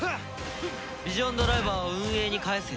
ヴィジョンドライバーを運営に返せよ。